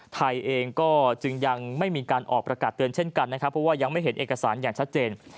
ไทยเองก็จึงยังไม่มีการออกประกาศเตือนเช่นกันนะครับเพราะว่ายังไม่เห็นเอกสารอย่างชัดเจน